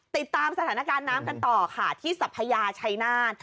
ติดตามสถานการณ์น้ำกันต่อค่ะที่สัพพยาชัยนาธ